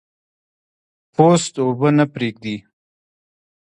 پوست اوبه نه پرېږدي.